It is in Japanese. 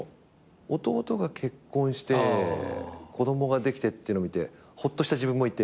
弟が結婚して子供ができてってのを見てほっとした自分もいて。